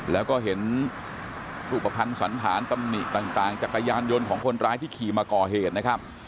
แล้วก็เห็นรูปภัณฑ์สันธารตำหนิต่างจักรยานยนต์ของคนร้ายที่ขี่มาก่อเหตุนะครับ